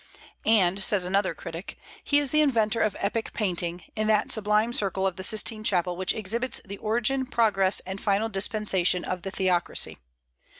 And, says another critic, "he is the inventor of epic painting, in that sublime circle of the Sistine Chapel which exhibits the origin, progress, and final dispensation of the theocracy.